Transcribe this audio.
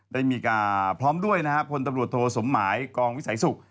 ได้มีการพร้อมด้วยนะฮะพลตำรวจโทสมหมายกองวิสัยสุข